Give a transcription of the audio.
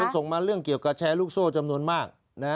ส่งมาเรื่องเกี่ยวกับแชร์ลูกโซ่จำนวนมาก